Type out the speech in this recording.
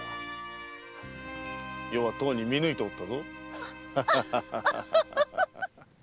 余はとうに見抜いておったぞ。